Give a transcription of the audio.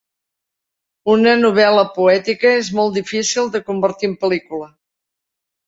Una novel·la poètica és molt difícil de convertir en pel·lícula.